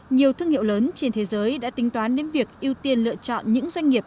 nhiều thương hiệu lớn trên thế giới đã tính toán đến việc ưu tiên lựa chọn những doanh nghiệp